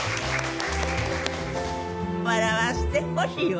笑わせてほしいわ！